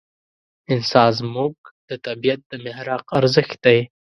انسان زموږ د طبعیت د محراق ارزښت دی.